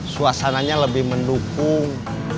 suasananya lebih mendukung